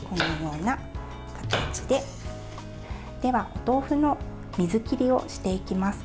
お豆腐の水切りをしていきます。